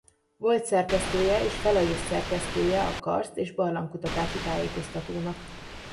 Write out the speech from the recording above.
Volt szerkesztője és felelős szerkesztője a Karszt- és Barlangkutatási Tájékoztatónak.